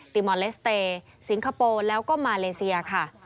มอนเลสเตย์สิงคโปร์แล้วก็มาเลเซียค่ะ